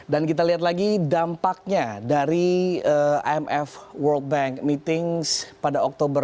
dan kita lihat lagi dampaknya dari imf world bank meetings pada oktober dua ribu dua puluh satu